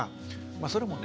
それもね